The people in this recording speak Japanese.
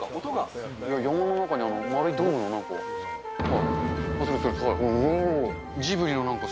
山の中に丸いドームのなんか。